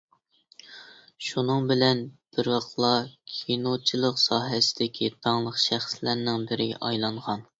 شۇنىڭ بىلەن بىراقلا كىنوچىلىق ساھەسىدىكى داڭلىق شەخسلەرنىڭ بىرىگە ئايلانغان.